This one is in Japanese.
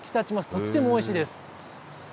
とってもおいしいです。